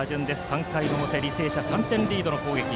３回表、履正社３点リードの攻撃。